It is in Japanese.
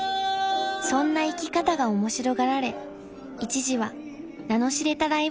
［そんな生き方が面白がられ一時は名の知れたライブハウスにも出演］